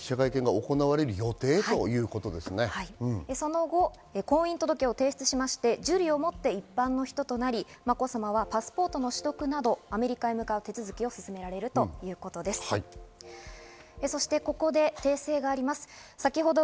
その後、婚姻届を提出しまして、受理を持って一般の人となり、まこさまはパスポートの取得など、アメリカへ向かう手続きを進められるということです。